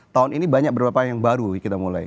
tahun ini banyak beberapa yang baru kita mulai